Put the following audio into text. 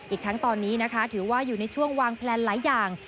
อีกทั้งตอนนี้นะคะถือว่าอยู่ในช่วงวางแพลนหลายอย่าง